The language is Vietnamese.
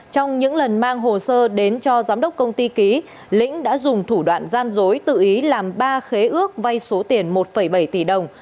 trong những lần mang hồ sơ đến cho giám đốc công ty ký lĩnh đã dùng thủ đoạn gian dối tự ý làm ba khế ước vay số tiền một bảy tỷ đồng